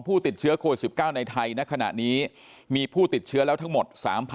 ผู้ติดเชื้อโควิด๑๙ในไทยณขณะนี้มีผู้ติดเชื้อแล้วทั้งหมด